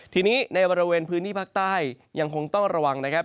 ทีนี้ในบริเวณพื้นที่ภาคใต้ยังคงต้องระวังนะครับ